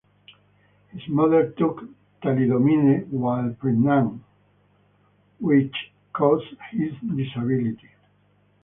His mother took Thalidomide while pregnant, which caused his disability.